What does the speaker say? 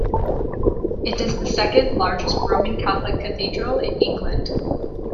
It is the second largest Roman Catholic cathedral in England.